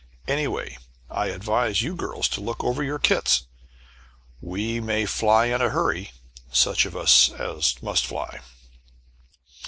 Anyway, I advise you girls to look over your kits. We may fly in a hurry such of us as must fly."